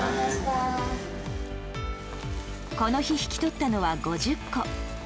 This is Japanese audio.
この日、引き取ったのは５０個。